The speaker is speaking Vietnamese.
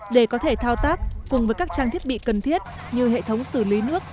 để có thể thao tác cùng với các trang thiết bị cần thiết như hệ thống xử lý nước